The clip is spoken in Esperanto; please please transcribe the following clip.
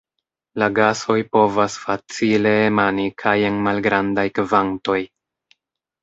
La gasoj povas facile emani kaj en malgrandaj kvantoj.